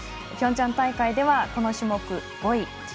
ピョンチャン大会ではこの種目５位。